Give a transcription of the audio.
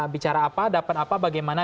bicara apa dapat apa bagaimana